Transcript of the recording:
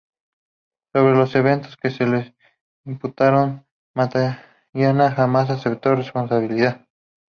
Sobre los eventos que se le imputaron, Matallana jamás aceptó responsabilidad.